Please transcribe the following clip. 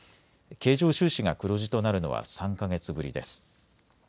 経常収支が黒字となるのは３か月ぶりです。